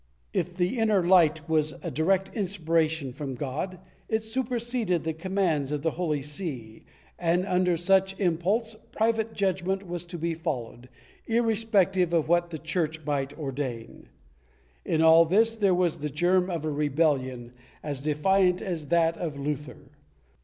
If the inner light was a direct inspiration from God, it superseded the commands of the Holy See and, under such impulse, private judgement was to be followed, irrespective of what the Church might ordain. In all this there was the germ of a rebellion as defiant as that of Luther.